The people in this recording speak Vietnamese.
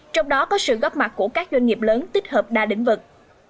trong đó có sự góp mặt của các doanh nghiệp lớn tích hợp đa lĩnh vực